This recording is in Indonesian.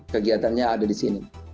kegiatannya ada di sini